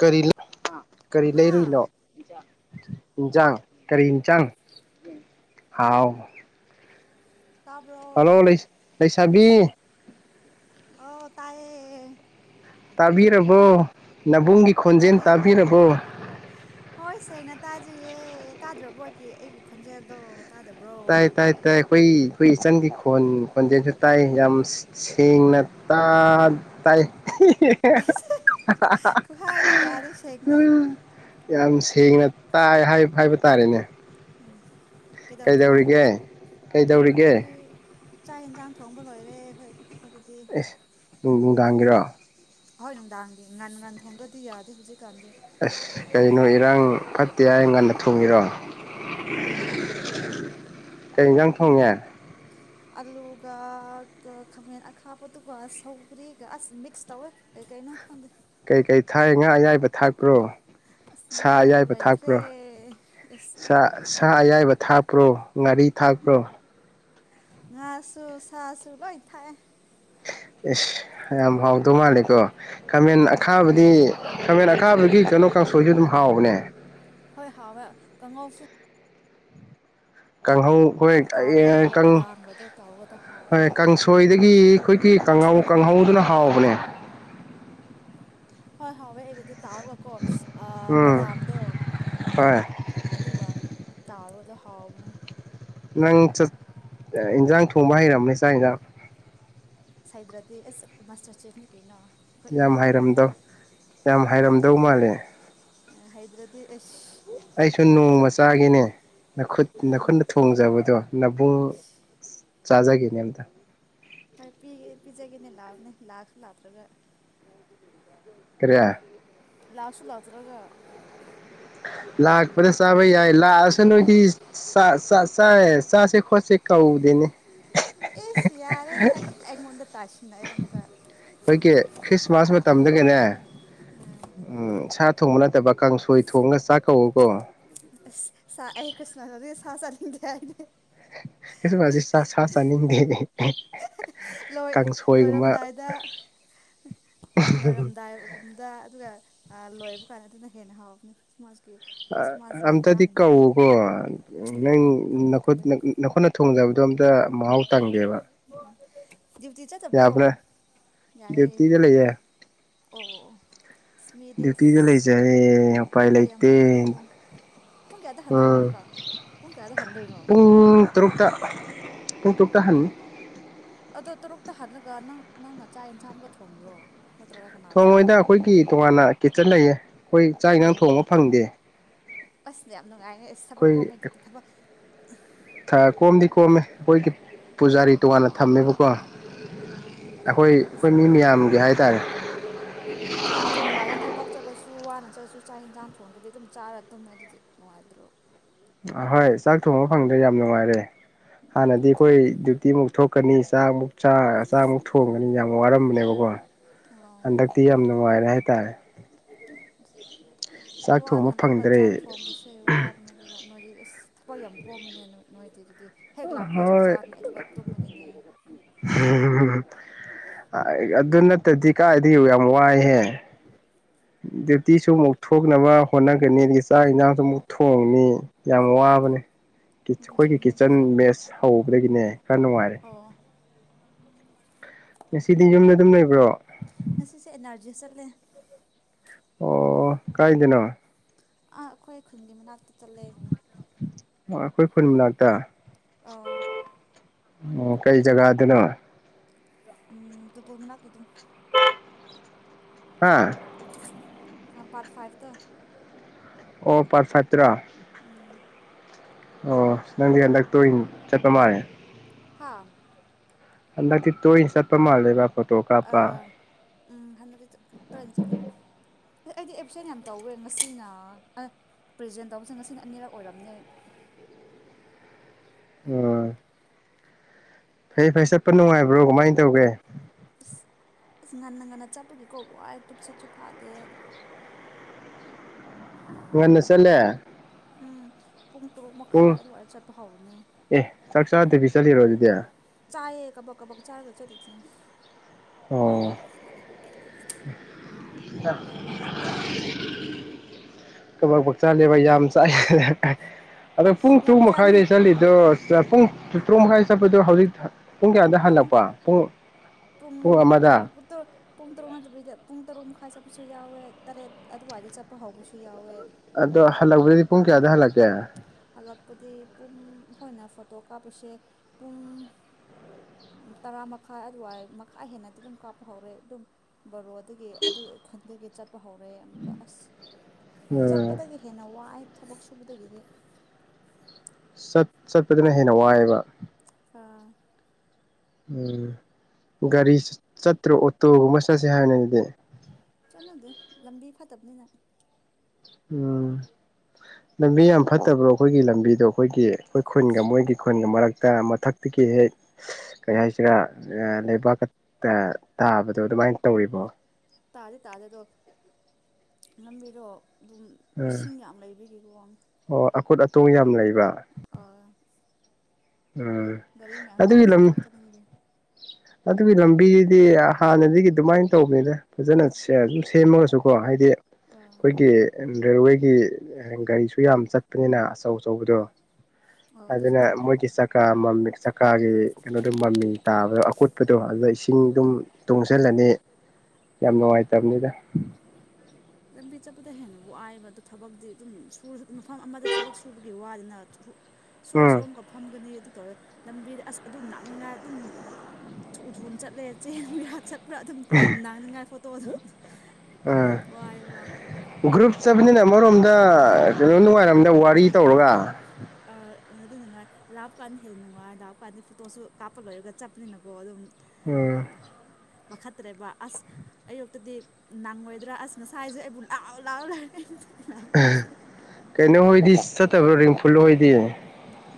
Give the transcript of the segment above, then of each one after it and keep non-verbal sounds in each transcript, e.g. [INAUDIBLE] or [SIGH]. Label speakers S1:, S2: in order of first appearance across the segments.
S1: ꯀꯔꯤ ꯀꯔꯤ ꯂꯩꯔꯨꯏꯅꯣ
S2: ꯍꯥꯥ
S1: ꯏꯟꯖꯥꯡ ꯀꯔꯤ ꯌꯦꯟꯁꯥꯡ ꯍꯥꯎ
S2: ꯇ
S1: ꯍꯜꯂꯣ ꯂꯩ ꯂꯩꯁꯥꯕꯤ
S2: ꯑꯣ ꯇꯥꯏꯌꯦ
S1: ꯇꯕꯤꯔꯕꯣ ꯅꯕꯨꯡꯒꯤ ꯈꯣꯟꯖꯦꯜ
S2: ꯇꯥꯏꯌꯦ
S1: ꯇꯥꯕꯤꯔꯕꯣ
S2: ꯇꯥꯏꯌꯦ ꯇꯥꯗ꯭ꯔꯕꯣꯒꯤ ꯑꯩꯒꯤ ꯈꯣꯟꯖꯦꯜꯗꯣ ꯇꯥꯗꯕ꯭ꯔꯣ
S1: ꯇꯥꯏ ꯇꯥꯏ ꯇꯥꯏ ꯍꯣꯏ ꯑꯩꯈꯣꯏ ꯏꯆꯟꯒꯤ ꯈꯣꯟ ꯈꯣꯟꯖꯦꯜꯁꯨ ꯇꯥꯏ ꯌꯥꯝ ꯁꯦꯡꯅ ꯇꯥ ꯇꯥꯏ
S2: ꯑꯩꯁꯦ ꯈꯨꯍꯥꯏꯗꯣ ꯌꯥꯔꯦ ꯁꯦꯡꯗꯦ
S1: ꯎꯝ ꯌꯥꯝ ꯁꯦꯡꯅ ꯇꯥꯏ ꯍꯥꯏꯕ ꯇꯥꯔꯦꯅꯦ
S2: ꯎꯝ ꯀꯩꯗꯧꯔꯤꯅꯣ
S1: ꯀꯩꯗꯧꯔꯤꯒꯦ ꯀꯩꯗꯧꯔꯤꯒꯦ
S2: ꯑꯩꯗꯤ ꯆꯥꯛ ꯌꯦꯟꯁꯥꯡ ꯊꯣꯡꯕ ꯂꯣꯏꯔꯦ ꯑꯩꯈꯣꯏ ꯑꯩꯈꯣꯏꯗꯗꯤ
S1: ꯑꯦꯁ ꯎꯝ ꯅꯨꯡꯗꯥꯡꯒꯤꯔꯣ
S2: ꯍꯣꯏ ꯅꯨꯡꯗꯥꯡꯒꯤ ꯉꯟ ꯉꯟ ꯊꯣꯡꯗ꯭ꯔꯗꯤ ꯌꯥꯗꯦ ꯍꯧꯖꯤꯛꯀꯥꯟꯗꯤ
S1: ꯑꯁ ꯀꯩꯅꯣ ꯏꯔꯥꯡ ꯐꯠꯇꯦ ꯍꯥꯏ ꯉꯟꯅ ꯊꯣꯡꯉꯤꯔꯣ
S2: ꯎꯝ
S1: [INAUDIBLE] ꯀꯩ ꯏꯟꯖꯥꯡ ꯊꯣꯡꯉꯦ
S2: ꯑꯂꯨꯒꯒ ꯈꯥꯃꯦꯟ ꯑꯈꯥꯕꯗꯨꯒ ꯁꯧꯒ꯭ꯔꯤꯒ ꯑꯁ ꯃꯤꯛꯁ ꯇꯧꯋꯦ ꯀꯩ ꯀꯩꯅꯣ ꯈꯪꯗꯦ
S1: ꯀꯩꯀꯩ ꯊꯥꯏ ꯉꯥ ꯑꯌꯥꯏꯕ ꯊꯥꯛꯄ꯭ꯔꯣ
S2: ꯑꯁ ꯉꯥ
S1: ꯁꯥ ꯑꯌꯥꯏꯕ
S2: ꯂꯣꯏꯈ꯭ꯔꯦ
S1: ꯊꯥꯛꯄ꯭ꯔꯣ
S2: ꯑꯁ
S1: ꯁꯥ ꯑꯌꯥꯏꯕ ꯊꯥꯛꯄ ꯄ꯭ꯔꯣ ꯉꯥꯔꯤ ꯊꯥꯛꯄ꯭ꯔꯣ
S2: ꯉꯥꯁꯨ ꯁꯥꯁꯨ ꯂꯣꯏ ꯊꯥꯛꯏ
S1: ꯏꯁ ꯌꯥꯝ ꯍꯥꯎꯗꯧ ꯃꯥꯜꯂꯦꯀꯣ ꯈꯥꯃꯦꯟ
S2: ꯎꯝ ꯍꯥꯎ
S1: ꯑꯈꯥꯕꯗꯤ ꯈꯥꯃꯦꯟ ꯑꯈꯥꯕꯒꯤ ꯀꯩꯅꯣ ꯀꯥꯡꯁꯣꯏꯁꯨ ꯑꯗꯨꯝ ꯍꯥꯎꯕꯅꯦ
S2: ꯍꯣꯏ ꯍꯥꯎꯋꯦ ꯀꯪꯉꯥꯎꯁꯨ
S1: ꯀꯥꯡꯍꯧ ꯍꯣꯏ
S2: ꯇꯥꯎꯔꯒꯀꯣ ꯕꯗꯥꯝꯒꯗꯣ ꯇꯧꯔꯒꯗꯣ
S1: ꯍꯣꯏ
S2: ꯍꯥꯎꯕꯅꯦ
S1: ꯀꯥꯡꯁꯣꯏꯗꯒꯤ ꯑꯩꯈꯣꯏꯒꯤ ꯀꯥꯡꯍꯧ ꯀꯥꯡꯍꯧꯗꯨꯅ ꯍꯥꯎꯕꯅꯦ
S2: ꯍꯣꯏ ꯍꯥꯎꯋꯦ ꯑꯩꯒꯗꯤ ꯇꯥꯎꯔꯒꯀꯣ
S1: ꯎꯝ
S2: ꯕꯗꯥꯝꯗꯣ
S1: ꯍꯣꯏ
S2: ꯑꯗꯨꯒ ꯇꯥꯎꯔꯣꯗꯣ ꯍꯥꯎꯕꯅꯦ
S1: ꯅꯪ ꯏꯟꯖꯥꯡ ꯊꯣꯡꯕ ꯍꯩꯔꯝꯅꯦ ꯆꯥꯛ ꯌꯦꯟꯖꯥꯡ
S2: ꯍꯩꯗ꯭ꯔꯗꯤ ꯑꯦꯁ ꯃꯥꯁꯇꯔ ꯆꯦꯐꯅꯤ ꯀꯩꯅꯣ ꯑꯩꯈꯣꯏ
S1: ꯌꯥꯝ
S2: ꯏꯃꯨꯡꯒꯤꯗꯤ
S1: ꯍꯥꯏꯔꯝꯗꯧ ꯌꯥꯝ ꯍꯥꯏꯔꯝꯗꯧ ꯃꯥꯜꯂꯦ
S2: ꯍꯩꯗ꯭ꯔꯥꯗꯤ ꯏꯁ
S1: ꯑꯩꯁꯨ ꯅꯣꯡꯃ ꯆꯥꯒꯦꯅꯦ ꯅꯈꯨꯠ
S2: ꯑꯥ
S1: ꯅꯥꯈꯨꯠꯅ ꯊꯣꯡꯖꯕꯗꯣ ꯅꯥꯕꯨꯡ
S2: ꯏꯁ
S1: ꯆꯥꯖꯒꯦꯅꯦ ꯑꯝꯇ
S2: ꯍꯣꯏ ꯄꯤꯒꯦ ꯄꯤꯖꯒꯦꯅꯦ ꯂꯥꯛꯑꯣꯅꯦ ꯂꯥꯛꯁꯨ ꯂꯥꯛꯇ꯭ꯔꯒ
S1: ꯀꯔꯤ
S2: ꯂꯥꯛꯁꯨ ꯂꯥꯛ ꯇ꯭ꯔꯒ
S1: ꯂꯥꯛꯄꯗ ꯆꯥꯕ ꯌꯥꯏ ꯂꯥꯛꯑꯁꯨ ꯅꯣꯏꯗꯤ ꯆꯥꯁꯦ ꯈꯣꯠꯁꯦ ꯀꯧꯗꯦꯅꯦ
S2: ꯑꯁ ꯌꯥꯔꯦꯗ ꯑꯩꯉꯣꯟꯗ ꯇꯥꯏꯁꯤꯟ
S1: ꯈꯣꯏꯒꯤ ꯈ꯭ꯔꯤꯁꯃꯥꯁ ꯃꯇꯝ ꯅꯒꯅꯦ
S2: ꯎꯝ
S1: ꯎꯝ ꯁꯥꯠ ꯊꯣꯡꯕ ꯅꯠꯇꯕ ꯀꯥꯡꯁꯣꯏ ꯊꯣꯡꯉꯒ ꯆꯥꯛ ꯀꯧꯎꯀꯣ
S2: ꯑꯁ ꯁꯥ ꯑꯩ ꯈ꯭ꯔꯤꯁꯃꯥꯁꯀꯤ ꯁꯥ ꯆꯥꯅꯤꯡꯗꯦ ꯍꯥꯏꯗꯤ
S1: ꯈ꯭ꯔꯤꯁꯃꯥꯁꯀꯤ ꯁꯥ ꯆꯅꯤꯡꯗꯦ
S2: ꯂꯣꯏ ꯂꯣꯏꯔꯝꯗꯥꯏꯗ ꯂꯣꯏꯔꯝꯗꯥꯏꯒꯨꯝꯗ ꯑꯗꯨꯒ ꯑ ꯂꯣꯏꯕ ꯀꯥꯟ ꯑꯗꯨꯅ ꯍꯦꯟꯅ ꯍꯥꯎꯕꯅꯦ ꯈ꯭ꯔꯤꯁꯃꯥꯁꯀꯤ
S1: ꯑꯝꯇꯗꯤ
S2: ꯌꯦꯟꯖꯥꯡꯒꯨꯝꯕꯗꯤ
S1: ꯀꯧꯎꯀꯣ ꯅꯪ
S2: ꯀꯧꯒꯦ ꯀꯧꯋꯦ
S1: ꯅꯈꯨꯠꯅ ꯊꯣꯡꯖꯕ ꯑꯗꯣꯝꯗ ꯃꯥꯍꯥꯎ ꯇꯪꯒꯦꯕ
S2: ꯎꯝ ꯗ꯭ꯌꯨꯇꯤ ꯆꯠꯇꯕ꯭ꯔꯣ
S1: ꯌꯥꯝꯕꯔꯥ
S2: ꯌꯥꯏꯌꯦ
S1: ꯗ꯭ꯌꯨꯇꯤꯗ ꯂꯩꯌꯦ
S2: ꯑꯣ ꯑꯣ ꯑꯁ ꯃꯤꯗꯤ ꯑꯁ
S1: ꯗ꯭ꯌꯨꯇꯤꯗ ꯂꯩꯖꯔꯦ ꯎꯄꯥꯏ
S2: ꯊꯕꯛ ꯌꯥꯝ
S1: ꯂꯩꯇꯦ
S2: ꯐꯩꯀꯣ ꯄꯨꯡ ꯀꯌꯥꯗ ꯍꯟꯗꯣꯏꯅꯣ
S1: ꯎꯝ
S2: ꯑꯃꯨꯛꯀ ꯄꯨꯡ ꯀꯌꯥꯗ ꯍꯟꯗꯣꯏꯅꯣ
S1: ꯄꯨꯡ ꯇꯔꯨꯛꯇ ꯄꯨꯡ ꯇꯥꯔꯨꯛꯇ ꯍꯟꯅꯤ
S2: ꯑꯗꯣ ꯇꯔꯨꯛꯇ ꯍꯜꯂꯒ ꯅꯪ ꯅꯪꯅ ꯆꯥꯛ ꯌꯦꯟꯁꯥꯡ ꯑꯃꯨꯛꯀ ꯊꯣꯡꯉꯤꯔꯣ ꯅꯠꯇ꯭ꯔꯒ ꯀꯅꯥ
S1: ꯊꯣꯡ ꯍꯣꯏꯗ
S2: ꯊꯣꯡꯉꯤꯔꯣ
S1: ꯑꯩꯈꯣꯏꯒꯤ ꯇꯣꯉꯥꯟꯅ ꯀꯤꯠꯆꯟ ꯂꯩꯌꯦ ꯑꯩꯈꯣꯏ ꯆꯥꯛ
S2: ꯑꯣ
S1: ꯏꯟꯁꯥꯡ ꯊꯣꯡꯕ ꯐꯪꯗꯦ
S2: ꯑꯁ ꯌꯥꯝꯅ ꯉꯥꯏꯅ ꯑꯦꯁ ꯊꯕꯛ
S1: ꯑꯩꯈꯣꯏ
S2: ꯀꯣꯝꯃꯦ ꯗꯨꯗꯤ ꯊꯕꯛ
S1: ꯀꯣꯝꯗꯤ ꯀꯣꯝꯃꯦ ꯑꯩꯈꯣꯏꯒꯤ ꯄꯨꯖꯥꯔꯤ ꯇꯣꯉꯥꯟꯅ ꯊꯝꯃꯦꯕꯀꯣ
S2: ꯑꯣ
S1: ꯑꯩꯈꯣꯏ
S2: ꯑꯁ
S1: ꯑꯩꯈꯣꯏ ꯃꯤ ꯃꯌꯥꯝꯒꯤ ꯍꯥꯏ [UNINTELLIGIBLE]
S2: ꯅꯣꯏꯗꯤ ꯅꯨꯡꯉꯥꯏꯅꯦ ꯊꯕꯛ ꯆꯠꯂꯁꯨ ꯨ ꯋꯥꯅ ꯆꯠꯂꯁꯨ ꯆꯥꯛ ꯌꯦꯟꯁꯥꯡ ꯊꯣꯡꯗꯕꯤꯒꯤ ꯑꯗꯨꯝ ꯆꯥꯔ ꯇꯨꯝꯃꯦ ꯑꯗꯨꯗꯤ ꯅꯨꯡꯉꯥꯏꯊ꯭ꯔꯣ
S1: ꯑꯍꯣꯏ ꯆꯥꯛ ꯊꯣꯡꯕ ꯐꯪꯗ꯭ꯔꯦ ꯌꯥꯝ ꯅꯨꯡꯉꯥꯏꯔꯦ ꯍꯥꯟꯅꯗꯤ
S2: ꯑꯗꯨ
S1: ꯑꯩꯈꯣꯏ
S2: ꯊꯕꯛ
S1: ꯗ꯭ꯌꯨꯇꯤꯃꯨꯛ ꯊꯣꯛ ꯊꯛꯀꯅꯤ ꯆꯥꯛ ꯃꯨꯛ ꯆ ꯆꯥꯛ ꯃꯨꯛ ꯊꯣꯡꯒꯅꯤ ꯌꯥꯝ ꯋꯥꯔꯝꯕꯅꯦꯕꯀꯣ
S2: ꯑꯣ
S1: ꯍꯟꯗꯛꯇꯤ ꯌꯥꯝ ꯅꯨꯡꯉꯥꯏꯔꯦ ꯍꯥꯏꯇꯥꯔꯦ ꯆꯥꯛ
S2: ꯋꯥꯅ
S1: ꯊꯣꯡꯕ
S2: ꯍꯜꯂꯛꯄ
S1: ꯐꯪꯗ꯭ꯔꯦ
S2: ꯆꯥꯛ ꯊꯣꯡꯕꯁꯦ ꯋꯥꯕꯅꯤ ꯑꯗꯨꯒ ꯅꯣꯏꯖꯤ ꯑꯁ ꯍꯣꯏ ꯌꯥꯝ ꯀꯣꯝꯃꯤꯅꯦ ꯅꯣꯏ ꯅꯣꯏꯗꯗꯤ ꯍꯦꯛ ꯂꯥꯞꯄꯒ ꯆꯥꯛ
S1: ꯍꯣꯏ
S2: ꯆꯥꯔꯅꯤ ꯑꯗꯨꯒ ꯇꯨꯝꯃꯅꯤꯅꯦ
S1: ꯑꯗꯨ ꯅꯠꯇꯗꯤ ꯀꯥꯏꯗꯤ ꯌꯥꯝ ꯋꯥꯏꯍꯦ ꯗ꯭ꯌꯨꯇꯤꯁꯨ ꯑꯃꯨꯛ ꯊꯣꯛꯣꯡꯅꯕ ꯍꯣꯠꯅꯒꯅꯤ ꯑꯗꯒꯤ ꯆꯥꯛ ꯏꯟꯁꯥꯡꯁꯨ ꯑꯃꯨꯛ ꯊꯣꯡꯅꯤ ꯌꯥꯝ ꯋꯥꯕꯅꯦ ꯑꯩꯈꯣꯏꯒꯤ
S2: ꯆꯨꯝꯃꯦ
S1: ꯀꯤꯠꯆꯟ
S2: ꯑꯗꯨꯁꯨ
S1: ꯃꯦꯁ ꯍꯧꯕꯗꯒꯤꯅꯦ ꯈꯔ ꯅꯨꯡꯉꯥꯏꯔꯦ
S2: ꯑꯣ
S1: ꯉꯁꯤꯗꯤ ꯌꯨꯝꯗ ꯑꯗꯨꯝ ꯂꯩꯕ꯭ꯔꯣ
S2: ꯉꯁꯤꯁꯦ ꯑꯦꯔꯖꯤ ꯆꯠꯂꯦ
S1: ꯑꯣ ꯀꯥꯏꯗꯅꯣ
S2: ꯥ ꯑꯩꯈꯣꯏ ꯈꯨꯟꯒꯤ ꯃꯅꯥꯛꯇ ꯆꯠꯂꯦ
S1: ꯑꯩꯈꯣꯏ ꯈꯨꯟ ꯃꯅꯥꯛꯇ
S2: ꯑ
S1: ꯎ ꯀꯩ ꯖꯒꯥꯗꯅꯣ
S2: ꯎꯝ ꯇꯨꯄꯣ ꯃꯅꯥ ꯀꯗꯨ
S1: ꯍꯥ
S2: ꯄꯔꯠ ꯐꯥꯏꯚ ꯇ
S1: ꯑꯣ ꯄꯔꯊꯇ꯭ꯔ
S2: ꯎꯝ
S1: ꯑꯣ ꯅꯪꯗꯤ ꯍꯟꯗꯛꯇ ꯆꯠꯄ ꯃꯥꯜꯂꯦ
S2: ꯍꯥ
S1: ꯑꯗꯗꯤ ꯇꯣ ꯍꯁꯥꯕ ꯄ ꯃꯥꯜꯂꯦꯕ ꯐꯣꯇꯣ
S2: ꯑ
S1: ꯀꯥꯞꯄ
S2: ꯎꯝ ꯍꯗꯤ ꯇꯅꯤ ꯆꯂꯦ ꯑꯁ ꯑꯩꯗꯤ ꯑꯦꯞꯁꯦꯟ ꯌꯥꯝ ꯇꯧꯋꯦ ꯉꯁꯤꯅ ꯄ꯭ꯔꯖꯦꯟ ꯇꯧꯕꯁꯦ ꯉꯁꯤꯅ ꯑꯅꯤꯔꯛ ꯑꯣꯏꯔꯝꯅꯦ
S1: ꯑ ꯐꯩ ꯐꯩ ꯆꯠꯄ ꯅꯨꯡꯉꯥꯏꯕ꯭ꯔꯣ ꯀꯃꯥꯏꯅ ꯇꯧꯒꯦ
S2: ꯑꯁ ꯉꯟꯅ ꯉꯟꯅ ꯆꯠꯄꯨꯒꯤꯀꯣ ꯋꯥꯏ ꯇꯨꯞꯆꯦꯠꯁꯨ ꯐꯥꯗꯦ
S1: ꯃꯟꯅꯁꯂꯦ
S2: ꯎꯝ ꯄꯨꯡ ꯇꯔꯨꯛ ꯃꯈꯥꯏ ꯑꯗꯨꯋꯥꯏꯗ ꯆꯠꯄ ꯍꯧꯔꯅꯦ
S1: ꯆꯂꯤꯔꯔꯕꯣ ꯑꯗꯨꯗꯤꯌꯥ
S2: ꯆꯥꯌꯦ ꯀ ꯄꯀ ꯄꯛ ꯆꯥꯒꯆ ꯇꯆꯦ
S1: ꯑꯣ ꯀꯕꯥꯛ ꯄꯛꯆꯥ ꯂꯦꯕ ꯌꯥꯝ ꯆꯥꯏ ꯑꯗꯣ ꯄꯨꯡ
S2: ꯌꯥꯝ
S1: ꯇꯔꯨ
S2: ꯆꯥꯅꯤ
S1: ꯃꯈꯥꯏꯗꯩ ꯆꯠꯂꯤꯗꯣ ꯄꯨꯡ ꯇ ꯇꯔꯨꯛ ꯃꯈꯥꯏ ꯆꯠꯄ ꯍꯧꯖꯤꯛ ꯄꯨꯡ ꯀꯌꯥꯗ ꯍꯜꯂꯛꯄ ꯄꯨꯡ ꯄꯨꯡ ꯑꯃꯗ
S2: ꯇꯔꯨꯛ ꯇꯔꯨꯛ ꯄꯨꯡ ꯇꯔꯨꯛ ꯅꯠꯇꯕꯤꯗ ꯄꯨꯡ ꯇꯔꯨꯛ ꯃꯈꯥꯏ ꯆꯠꯄꯁꯨ ꯌꯥꯎꯋꯦ ꯇꯔꯦꯠ ꯑꯗꯨꯋꯥꯏꯗ ꯆꯠꯄ ꯍꯧꯕꯁꯨ ꯌꯥꯎꯋꯦ
S1: ꯑꯗꯣ ꯍꯜꯂꯛꯄꯗꯗꯤ ꯄꯨꯡ ꯀꯌꯥꯗ ꯍꯜꯂꯛꯀꯦ
S2: ꯍꯜꯂꯛꯄꯗꯤ ꯄꯨꯡ ꯑꯩꯈꯣꯏꯅ ꯐꯣꯇꯣ ꯀꯥꯞꯄꯤꯁꯦ ꯄꯨꯡ ꯇꯔꯥ ꯃꯈꯥꯏ ꯑꯗꯨꯋꯥꯏ ꯃꯈꯥꯏ ꯍꯦꯟꯅꯗꯤ ꯑꯗꯨꯝ ꯀꯥꯞꯄ ꯍꯧꯔꯦ ꯑꯗꯨꯝ ꯕꯔꯣ ꯑꯗꯨ ꯈꯟꯒꯤ ꯆꯠꯄ ꯍꯧꯔꯑꯦ ꯑꯃꯨꯛꯀ ꯑꯁ
S1: ꯎꯝ
S2: ꯆꯠꯄꯗꯒꯤ ꯍꯦꯟꯅ ꯋꯥꯏ ꯊꯕꯛ ꯁꯨꯕꯗꯒꯤꯗꯤ
S1: ꯆꯠ ꯆꯠꯄꯗꯨꯅ ꯍꯦꯟꯅ ꯋꯥꯏꯑꯦꯕ
S2: ꯑꯥ
S1: ꯎꯝ ꯒꯥꯔꯤ ꯆꯠꯇ꯭ꯔꯣ ꯑꯣꯇꯣꯒꯨꯝꯕ ꯆꯠꯁꯦ ꯍꯥꯏꯕꯅꯤ ꯑꯗꯨꯗꯤ
S2: ꯆꯠꯅꯗꯦ ꯂꯝꯕꯤ ꯐꯠꯇꯕꯅꯤꯅ
S1: ꯎꯝ ꯂꯝꯕꯤ ꯌꯥꯝ ꯐꯠꯇꯕ꯭ꯔꯣ ꯑꯩꯈꯣꯏꯒꯤ ꯂꯝꯕꯤꯗꯣ ꯑꯩꯈꯣꯏꯒꯤ ꯑꯩꯈꯣꯏ ꯈꯨꯟꯒ
S2: ꯑꯁ
S1: ꯃꯣꯏꯒꯤ ꯈꯨꯟꯒ ꯃꯔꯛꯇ ꯃꯊꯛꯇꯒꯤ ꯍꯦꯛ ꯀꯔꯤ ꯍꯥꯏꯁꯤꯔꯥ ꯂꯩꯕꯥꯛꯀꯛꯇ ꯇꯥꯕꯗꯣ ꯑꯗꯨꯃꯥꯏꯅ ꯇꯧꯔꯤꯕꯣ
S2: ꯇꯥꯗꯦ ꯇꯥꯗꯦꯗꯣ ꯂꯝꯕꯤꯗꯣ ꯑꯗꯨꯝ ꯏꯁꯤꯡ ꯌꯥꯝ ꯂꯩꯕꯤꯒꯤꯀꯣ
S1: ꯑꯣ ꯑꯀꯨꯠ ꯑꯇꯣꯡ ꯌꯥꯝ ꯂꯩꯕ
S2: ꯑ
S1: ꯑ ꯑꯗꯨꯒꯤ
S2: ꯆꯠ
S1: ꯂꯝ
S2: ꯄꯥꯛ ꯆꯠꯅꯤꯡꯗꯦ
S1: ꯑꯗꯨꯒꯤ ꯂꯝꯕꯤꯗꯨꯗꯤ ꯍꯥꯟꯅꯗꯒꯤ ꯑꯗꯨꯃꯥꯏꯅ ꯇꯧꯕꯅꯤꯗ ꯐꯖꯅ ꯑꯗꯨꯝ ꯁꯦꯝꯃꯒꯁꯨꯀꯣ ꯍꯥꯏꯗꯤ
S2: ꯑꯥ
S1: ꯑꯩꯈꯣꯏꯒꯤ ꯔꯦꯜꯋꯦꯒꯤ ꯒꯥꯔꯤꯁꯨ ꯌꯥꯝ ꯆꯠꯄꯅꯤꯅꯁ ꯑꯆꯧ ꯑꯆꯧꯕꯗꯣ
S2: ꯑꯣ ꯑꯗꯨꯁꯨ
S1: ꯑꯗꯨꯅ
S2: ꯆꯨꯝꯃꯦ
S1: ꯃꯣꯏꯒꯤ ꯆꯀꯥꯒꯤ ꯀꯩꯅꯣꯗꯣ ꯃꯃꯤ ꯇꯥꯕꯗꯣ ꯑꯀꯨꯠꯄꯗꯣ ꯑꯗꯨꯗ ꯏꯁꯤꯡ ꯑꯗꯨꯝ ꯇꯨꯡꯁꯤꯜꯂꯅꯤ ꯌꯥꯝ ꯅꯨꯡꯉꯥꯏꯇꯕꯅꯤꯗ
S2: ꯂꯝꯕꯤ ꯆꯠꯄꯗ ꯍꯦꯟꯅꯕꯨ ꯋꯥꯏꯑꯕ ꯑꯗꯨ ꯊꯕꯛꯇꯤ ꯑꯗꯨꯝ ꯃꯐꯝ ꯑꯃꯗ ꯊꯕꯛ ꯁꯨꯕꯒꯤ ꯋꯥꯗꯅ ꯁꯣꯔꯁꯨ
S1: ꯎꯝ
S2: ꯑꯃ ꯀꯞ ꯐꯝꯒꯅꯤ ꯂꯝꯕꯤꯗ ꯑꯁ ꯑꯗꯨꯝ ꯅꯥꯛꯅꯤꯡꯉꯥꯏ ꯑꯗꯨꯝ ꯊꯨ ꯊꯨꯅ ꯆꯠꯂꯦ ꯆꯦꯟꯠ ꯄꯨꯔꯥ ꯑꯗꯨꯝ ꯅꯥꯡꯅꯤꯡꯉꯥꯏ ꯐꯣꯠꯇꯣ ꯑꯗꯨꯝ ꯀꯥꯏꯕ
S1: ꯆꯠꯠꯇꯕꯅꯤꯅ ꯑꯃꯔꯣꯝꯗ ꯀꯩꯅꯣ ꯅꯨꯡꯉꯥꯏꯔꯝꯗ ꯋꯥꯔꯤ ꯇꯧꯔꯒ
S2: ꯑꯗꯨꯅꯉꯥꯏ ꯂꯥꯛꯄ ꯀꯥꯟꯗ ꯍꯦꯟꯅ ꯅꯨꯡꯉꯥꯏ ꯂꯥꯛꯄ ꯀꯥꯟꯗꯗꯤ ꯐꯣꯇꯣꯁꯨ ꯀꯥꯞꯄ ꯂꯣꯏꯔꯒ ꯆꯠꯄꯅꯤꯅꯀꯣ ꯑꯗꯨꯝ
S1: ꯎꯝ
S2: ꯄꯥꯈꯠꯇ꯭ꯔꯦꯕ ꯑꯁ ꯑꯌꯨꯛꯇꯗꯤ ꯅꯪꯉꯣꯏꯗ꯭ꯔꯥ ꯑꯁ ꯉꯁꯥꯏꯁꯨ ꯑꯩꯕꯨ ꯂꯥꯎ ꯂꯥꯎ ꯂꯔꯦ
S1: ꯀꯩꯅꯣ ꯍꯣꯏꯗꯤ ꯆꯠꯇꯕ꯭ꯔ ꯑꯣꯏꯗꯤ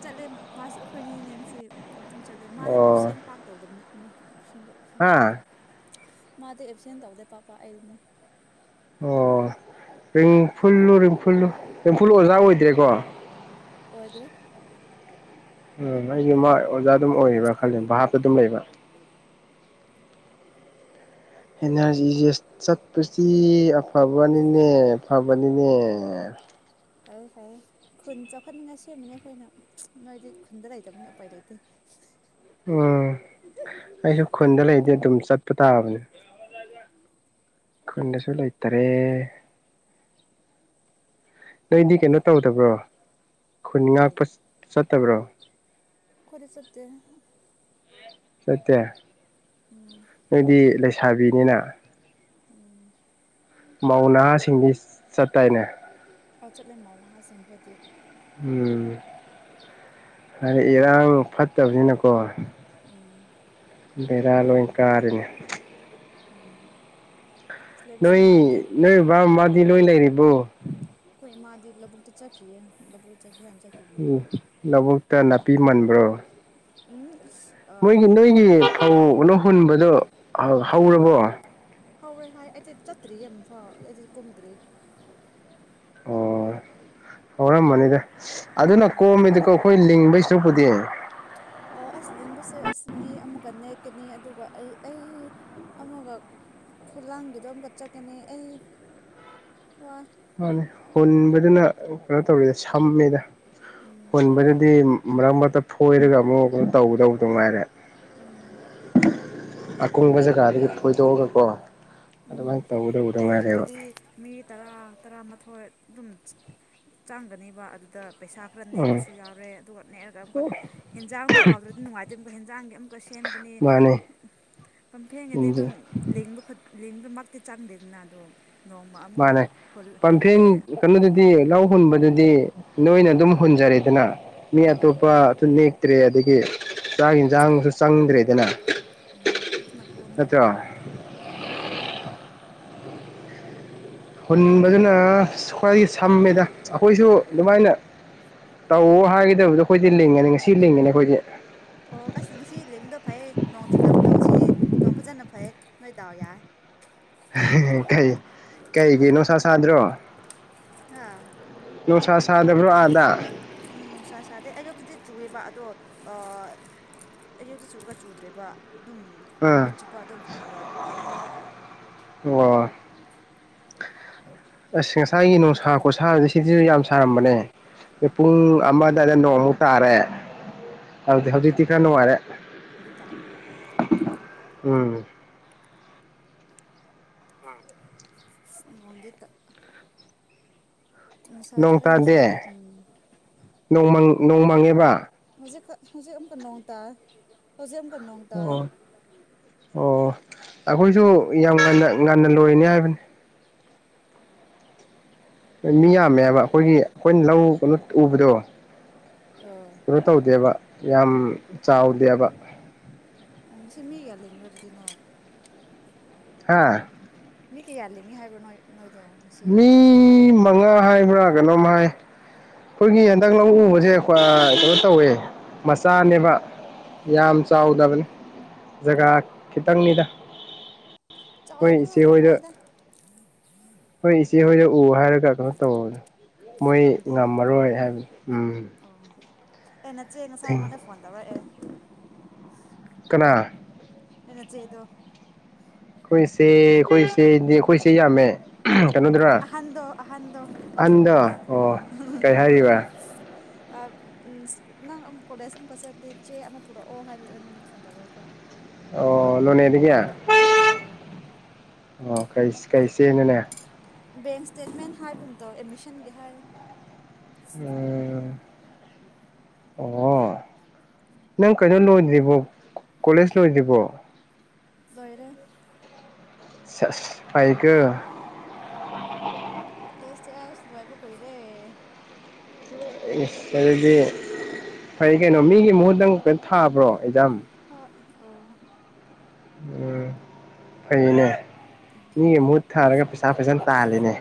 S2: ꯆꯠꯂꯦ ꯃꯥꯁꯨ ꯑꯩꯈꯣꯏꯅꯤ ꯉꯁꯤ ꯑꯗꯨꯝ ꯆꯠꯂꯦ ꯃꯥꯁꯦ
S1: ꯑꯣ
S2: ꯑꯦꯞꯁꯦꯟ ꯄꯥꯛ ꯇꯧꯗꯕꯅꯦ [UNINTELLIGIBLE]
S1: ꯍꯥ
S2: [UNINTELLIGIBLE] ꯃꯥꯗꯤ ꯑꯦꯞꯁꯦꯟ ꯇꯧꯗꯦ ꯄꯥꯛ ꯄꯥꯛ ꯑꯩꯅꯦ
S1: ꯑꯣ ꯔꯤꯝꯐꯨꯜꯂꯨ ꯔꯤꯡꯐꯨꯜꯂꯨ ꯔꯤꯝꯐꯨꯜ ꯑꯣꯖꯥ ꯑꯣꯏꯗ꯭ꯔꯦꯀꯣ
S2: ꯑꯣꯏꯣꯏꯗ꯭ꯔꯦ
S1: ꯎꯝ ꯑꯩꯒꯤ ꯃꯥ ꯑꯣꯖꯥ ꯑꯗꯨꯝ ꯑꯣꯏꯔꯤꯕ꯭ꯔꯥ ꯈꯜꯂ ꯚꯥꯞꯇ ꯑꯗꯨꯝ ꯂꯩꯕ ꯑꯦꯟ ꯑꯥꯔꯖꯤꯁꯦ ꯆꯠꯄꯁꯤ ꯑꯐꯕꯅꯤꯅꯦ ꯐꯕꯅꯤꯅꯦ
S2: ꯐꯔꯦ ꯐꯔꯦ ꯈꯨꯟ ꯆꯥꯎꯈꯠꯅꯤꯡꯉꯥꯏ ꯁꯦꯝꯕꯅꯦ ꯑꯩꯈꯣꯏꯅ ꯅꯣꯏꯗꯤ ꯈꯨꯟꯗ ꯂꯩꯇꯕꯅꯤꯅ ꯎꯄꯥꯏ ꯂꯩꯇꯦ
S1: ꯎꯝ ꯑꯩꯁꯨ ꯈꯨꯟꯗ ꯂꯩꯗꯤ ꯑꯗꯨꯝ ꯆꯠꯄ ꯇꯥꯕꯅꯦ ꯈꯨꯟꯗꯁꯨ ꯂꯩꯇꯔꯦ ꯅꯣꯏꯗꯤ ꯀꯩꯅꯣ ꯇꯧꯗꯕ꯭ꯔꯣ ꯈꯨꯨꯟ
S2: ꯀꯔꯤ
S1: ꯉꯥꯛꯄ ꯆꯠ ꯇ ꯥꯕ꯭ꯔꯣ
S2: ꯑꯩꯈꯣꯏꯗꯤ ꯆꯠꯇꯦ
S1: ꯆꯠꯇꯦ
S2: ꯎꯝ
S1: ꯅꯣꯏꯗꯤ ꯂꯩꯁꯥꯕꯤꯅꯤꯅ
S2: ꯎꯝ
S1: ꯃꯧ ꯅꯍꯥꯁꯤꯡꯗꯤ ꯆꯠꯇꯥꯏꯅꯦ
S2: ꯑꯧ ꯆꯠꯂꯦ ꯃꯧꯅꯍꯥꯁꯤꯡꯕꯨꯗꯤ
S1: ꯎꯝ ꯍꯥꯏꯗꯤ. ꯏꯔꯥꯡ ꯐꯠꯇꯕꯅꯤꯅꯀꯣ
S2: ꯎꯝ
S1: ꯕꯦꯔꯥ ꯂꯣꯏꯟ ꯀꯥꯔꯦꯅꯦ
S2: ꯎꯝ ꯑꯁ ꯂꯩꯕꯁꯨ
S1: ꯅꯣꯏ
S2: ꯅꯨꯡꯉꯥꯏꯇꯦ
S1: ꯅꯣꯏ ꯕꯕꯥ ꯃꯃꯥ ꯂꯣꯏꯟ ꯂꯩꯔꯤꯕꯣ
S2: ꯃꯥꯗꯥ ꯂꯧꯕꯨꯛꯇ ꯆꯠꯈꯤꯌꯦ ꯂꯧꯕꯨꯛꯇ ꯆꯠꯈꯤꯌꯦ
S1: ꯎꯝ ꯂꯧꯕꯨꯛꯇ ꯈꯔꯥ ꯅꯥꯄꯤ ꯃꯟꯕ꯭ꯔꯣ
S2: ꯎꯝ ꯑꯥ
S1: ꯅꯣꯏꯒꯤ ꯅꯣꯏꯒꯥ ꯐꯧ ꯄꯨꯟꯕꯗꯣ
S2: ꯑꯥ
S1: ꯍꯧꯔꯕꯣ
S2: ꯍꯧꯔꯦ ꯍꯥꯏ ꯑꯩꯗꯤ ꯆꯠꯇ꯭ꯔꯤꯌꯦ ꯑꯃꯐꯥꯎ ꯑꯩꯗꯤ ꯀꯨꯝꯗ꯭ꯔꯤ
S1: ꯑꯣ ꯍꯧꯔꯝꯃꯅꯤꯗ ꯑꯗꯨꯅ
S2: ꯎꯝ
S1: ꯀꯣꯝꯗꯨꯗꯀꯣ ꯀꯣꯈꯣꯏ ꯂꯤꯡꯕꯩ ꯁꯔꯨꯛꯄꯨꯗꯤ
S2: ꯑꯧ ꯑꯁ ꯂꯤꯕꯁꯦ ꯑꯁ ꯃꯤ ꯑꯃꯨꯛꯀ ꯅꯦꯛꯀꯅꯤ ꯑꯗꯨꯒ ꯑꯩ ꯑꯩ ꯑꯃꯒ ꯈꯨꯂꯥꯡꯒꯤꯗꯣ ꯑꯃꯨꯛꯀ ꯆꯠꯀꯅꯤ ꯑꯩ ꯋꯥꯏ
S1: ꯃꯥꯅꯤ ꯍꯨꯟꯕꯗꯨꯅ ꯀꯩꯅꯣ ꯇꯧꯔꯤꯗ ꯁꯝꯃꯦꯗ
S2: ꯎꯝ
S1: ꯍꯨꯟꯕꯗꯨꯗꯤ ꯃꯔꯛ ꯃꯔꯛꯇ ꯐꯣꯏꯔꯒ ꯑꯃꯨꯛ ꯀꯩꯅꯣ ꯇꯧꯒꯗꯧꯕꯗꯨ ꯉꯥꯏꯔꯦ
S2: ꯎꯝ
S1: ꯑꯀꯨꯡꯕ ꯖꯒꯥꯗꯒꯤ ꯊꯣꯏꯗꯣꯛꯑꯒ ꯀꯣ
S2: ꯎꯝ ꯂꯤꯡꯕꯗꯤ ꯃꯤ ꯇꯔꯥ ꯇꯔꯥꯃꯥꯊꯣꯏ ꯍꯣꯏ ꯑꯗꯨꯝ ꯆꯡꯒꯅꯤꯕ ꯑꯗꯨꯗ ꯄꯩꯁꯥ ꯈꯔ
S1: ꯎꯝ
S2: ꯅꯦꯛꯄꯁꯨ ꯌꯥꯎꯔꯦ ꯑꯗꯨꯒ ꯅꯦꯛꯑꯒ ꯑꯃꯨꯛꯀ ꯍꯦꯟꯖꯥꯡꯗꯣ ꯍꯥꯎꯗ꯭ꯔꯗꯤ ꯅꯨꯡꯉꯥꯏꯇꯦ ꯑꯃꯨꯛꯀ ꯍꯦꯟꯖꯥꯡꯒꯤ ꯑꯃꯨꯛꯀ ꯁꯦꯝꯒꯅꯤ
S1: ꯃꯥꯅꯤ
S2: ꯄꯝꯐꯦꯟꯒꯗꯤ ꯑꯗꯨꯝ ꯂꯤꯡꯕ ꯂꯤꯡꯕꯃꯛꯇꯤ ꯆꯪꯗꯦꯗꯅ ꯗꯨ
S1: ꯃꯥꯅꯤ ꯄꯝꯐꯦꯟ ꯀꯩꯅꯣꯗꯨꯗꯤ ꯂꯧ ꯍꯨꯟꯕꯗꯨꯗꯤ ꯍꯥꯏꯗꯤ ꯅꯣꯏꯅ ꯑꯗꯨꯝ ꯍꯨꯟꯖꯔꯦꯗꯅ ꯃꯤ
S2: ꯎꯝ
S1: ꯑꯇꯣꯞꯄꯁꯨ ꯅꯦꯛꯇ꯭ꯔꯦ ꯑꯗꯒꯤ ꯆꯥꯛ ꯌꯦꯟꯁꯥꯡꯁꯨ ꯆꯪꯗ꯭ꯔꯦꯗꯅ
S2: ꯎꯝ ꯑꯗꯨꯅ ꯀꯣꯝꯃꯦ
S1: ꯅꯠꯇ꯭ꯔꯣ
S2: ꯎꯝ
S1: ꯍꯨꯟꯕꯗꯨꯅ ꯈ꯭ꯋꯥꯏꯗꯒꯤ ꯁꯝꯃꯦꯗ ꯑꯩꯈꯣꯏꯁꯨ ꯑꯗꯨꯃꯥꯏꯅ ꯇꯧ ꯍꯥꯏꯒꯗꯕꯗꯣ ꯑꯩꯈꯣꯏꯗꯤ ꯂꯤꯡꯉꯅꯤ ꯉꯁꯤ ꯂꯤꯡꯉꯅꯤ ꯑꯩꯈꯣꯏꯗꯤ
S2: ꯑꯣ ꯑꯁ ꯉꯁꯤ ꯂꯤꯡꯕꯗꯣ ꯐꯩꯌꯦ ꯅꯣꯡ ꯆꯨꯗꯕꯗꯣ ꯉꯁꯤꯗꯤ ꯅꯣꯡ ꯐꯖꯅ ꯐꯩ ꯅꯣꯏ ꯗꯥꯎ ꯌꯥꯏ
S1: ꯀꯩ ꯀꯩꯒꯤꯅꯣ ꯁꯥꯗ꯭ꯔꯣ
S2: ꯍꯥ
S1: ꯅꯨꯡꯁꯥ ꯁꯥꯗꯕ꯭ꯔꯣ ꯑꯥꯗ
S2: ꯎꯝ ꯅꯨꯡꯁꯥ ꯁꯥꯗꯦ ꯑꯌꯨꯛꯇꯗꯤ ꯆꯨꯑꯦꯕ ꯑꯗꯣ ꯑꯌꯨꯛꯇ ꯆꯨꯔꯒ ꯆꯨꯗ꯭ꯔꯦꯕ ꯑꯗꯨꯝ
S1: ꯑꯥ
S2: ꯅꯨꯃꯤꯠ ꯆꯨꯞꯄ ꯑꯗꯨꯝ ꯐꯩꯕ ꯅꯣꯡꯗꯣ
S1: ꯍꯣꯏ ꯑꯁ ꯉꯁꯥꯏꯒꯤ ꯅꯨꯡꯁꯥ ꯈꯨꯣꯠꯁꯥꯕꯁꯦ ꯁꯤꯁꯤꯁꯨ ꯌꯥꯝ ꯁꯥꯔꯝꯕꯅꯦ ꯑꯗ ꯄꯨꯡ ꯑꯃꯗꯗ ꯅꯣꯡꯃꯨꯛ ꯇꯥꯔꯦ ꯑꯗꯨꯗꯤ ꯍꯧꯖꯤꯛꯇꯤ ꯈꯔ ꯅꯨꯡꯉꯥꯏꯔꯦ
S2: ꯅꯣꯡꯗꯤ ꯇꯥ
S1: ꯎꯝ
S2: ꯅꯣꯡꯗꯤ ꯇꯥ ꯅꯨꯡꯁꯥ ꯊꯣꯛꯑꯦ ꯉꯁꯥꯏꯗꯤ ꯎꯝ
S1: ꯅꯣꯡ ꯃꯪ ꯅꯣꯡꯃꯡꯉꯤꯕ
S2: ꯍꯧꯖꯤꯛ ꯍꯧꯖꯤꯛ ꯑꯃꯨꯛꯀ ꯅꯣꯡ ꯇꯥꯏ ꯍꯧꯖꯤꯛ ꯅꯣꯡ ꯇꯥꯏꯌꯦ
S1: ꯑꯣ ꯑꯣ ꯑꯩꯈꯣꯏꯁꯨ ꯌꯥꯝ ꯉꯟꯅ ꯉꯟꯅ ꯂꯣꯏꯔꯅꯤ ꯍꯥꯏꯕꯅꯤ ꯃꯤ ꯌꯥꯝꯃꯦꯕ ꯑꯩꯈꯣꯏꯒꯤ ꯑꯩꯈꯣꯏꯅ ꯂꯧ ꯀꯩꯅꯣ ꯎꯕꯗꯣ
S2: ꯑꯥ
S1: ꯀꯩꯅꯣ ꯇꯧꯗꯦꯕ ꯌꯥꯝ ꯆꯥꯎꯗꯦꯕ
S2: ꯎꯝ ꯉꯁꯤ ꯃꯤꯒ ꯂꯤꯡꯉꯤꯔꯣ ꯑꯗꯨ ꯑꯗꯨꯗꯤ ꯅꯣꯏ
S1: ꯑꯥ
S2: ꯃꯤ ꯀꯌꯥ ꯂꯤꯉꯤ ꯍꯥꯏꯕꯣ ꯅꯣꯏ ꯅꯣꯏ
S1: ꯃꯤ ꯃꯉꯥ ꯍꯥꯏꯕ꯭ꯔꯥ ꯀꯩꯅꯣꯝ ꯍꯥꯏ ꯑꯩꯈꯣꯏꯒꯤ ꯍꯟꯗꯛ
S2: ꯑꯣ
S1: ꯂꯧ ꯎꯕꯁꯦ ꯀꯩꯅꯣ ꯇꯧꯋꯦ ꯃꯆꯥꯅꯦꯕ ꯌꯥꯝ
S2: ꯑꯣ
S1: ꯆꯥꯎꯗꯕꯅꯤ ꯖꯒꯥ ꯈꯤꯇꯪꯅꯤꯗ ꯍꯣꯏ
S2: ꯆꯥꯎꯗꯕꯗꯣ
S1: ꯏꯆꯦꯍꯣꯏꯗ
S2: ꯐꯩꯗ
S1: ꯍꯣꯏ ꯏꯆꯦ ꯍꯣꯏꯗ ꯎ ꯍꯥꯏꯔꯒꯀꯑꯣ ꯇꯧꯕꯅꯦ ꯃꯣꯏ
S2: ꯉꯝꯗꯦ ꯍꯥꯏꯕꯗꯣ
S1: ꯉꯝꯃꯔꯣꯏ ꯍꯥꯏꯕꯅꯦ ꯎꯝ
S2: ꯑꯩ ꯅꯆꯦ ꯉꯁꯥꯏ
S1: ꯊꯦꯡ
S2: ꯑꯩꯉꯣꯟꯗ ꯐꯣꯟ ꯇꯧꯔꯛꯑꯦ
S1: ꯀꯅꯥ
S2: ꯅꯣꯏ ꯅꯆꯦꯗꯣ
S1: ꯑꯩꯈꯣꯏꯆꯦ ꯑꯩꯈꯣꯏꯆꯦꯗꯤ ꯑꯩꯈꯣꯏꯆꯦ ꯌꯥꯝꯃꯦ ꯀꯩꯅꯣꯗꯨꯔꯥ
S2: ꯑꯍꯟꯗꯣ ꯑꯍꯟꯗꯣ
S1: ꯑꯍꯟꯗꯣ ꯑꯣ ꯀꯩ ꯍꯥꯏꯔꯤꯕ
S2: ꯑ ꯎꯝ ꯅꯪ ꯑꯃꯨꯛ ꯀꯣꯂꯦꯖ ꯑꯃꯨꯛꯀ ꯆꯠꯂꯗꯤ ꯆꯦ ꯑꯃ ꯄꯨꯔꯛꯑꯣ ꯍꯥꯏꯅ ꯑꯩꯉꯣꯟꯗ ꯐꯣꯟꯇꯧꯔꯛꯄ
S1: ꯑꯣ ꯂꯣꯅꯦꯗꯤꯒ
S2: ꯑꯧ
S1: ꯑꯣ ꯀꯩ ꯀꯩ ꯆꯦꯅꯣꯅꯦ
S2: ꯕꯦꯡ ꯏꯁꯇꯦꯠꯃꯦꯟ ꯍꯥꯏꯕ ꯑꯃ ꯇꯧꯋꯦ ꯑꯦꯠꯃꯤꯁꯟꯒꯤ ꯍꯥꯏꯌꯦ
S1: ꯎꯝ ꯑꯣ ꯅꯪ ꯀꯩꯅꯣ ꯂꯣꯏꯗ꯭ꯔꯤꯕꯣ ꯀꯣꯂꯦꯖ ꯂꯣꯏꯗ꯭ꯔꯤꯕꯣ
S2: ꯂꯣꯏꯔꯦ
S1: ꯄꯥꯏꯀꯣ
S2: ꯀꯣꯂꯦꯁꯇꯤ ꯑꯁ ꯂꯣꯏꯕ ꯀꯨꯏꯔꯦ
S1: ꯑꯗꯨꯗꯤ ꯐꯩ ꯀꯩꯅꯣ ꯃꯤꯒꯤ ꯃꯍꯨꯠ ꯅꯪ ꯀꯩꯅꯣ ꯊꯥꯕ꯭ꯔꯣ ꯑꯦꯛꯖꯥꯝ
S2: ꯑꯧ
S1: ꯎꯝ ꯐꯩꯅꯦ ꯃꯤꯒꯤ ꯃꯍꯨꯠ ꯊꯥꯔꯒ ꯄꯩꯁꯥ ꯐꯖꯅ ꯇꯥꯜꯂꯦꯅꯦ